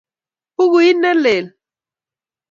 Bukuit ne lel.